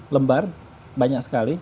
lembar banyak sekali